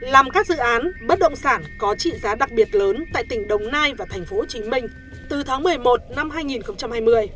làm các dự án bất động sản có trị giá đặc biệt lớn tại tỉnh đồng nai và tp hcm từ tháng một mươi một năm hai nghìn hai mươi